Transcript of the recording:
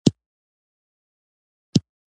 هله ټیټ شه !